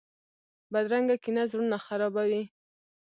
بدرنګه کینه زړونه خرابوي